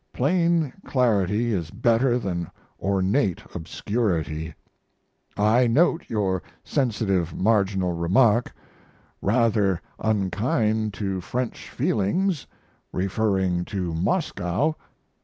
Plain clarity is better than ornate obscurity. I note your sensitive marginal remark: "Rather unkind to French feelings referring to Moscow."